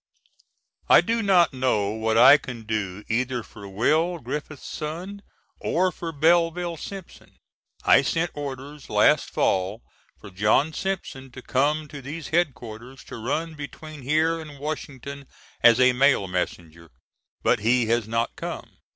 I do not know what I can do either for Will. Griffith's son or for Belville Simpson. I sent orders last fall for John Simpson to come to these Head Quarters to run between here and Washington as a mail messenger, but he has not come.